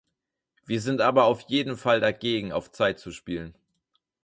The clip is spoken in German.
Wir sind aber auf jeden Fall dagegen, auf Zeit zu spielen.